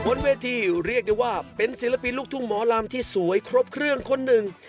บนเวทีเรียกได้ว่าเป็นศิลปินลูกทุ่งหมอลำที่สวยครบเครื่องคนหนึ่ง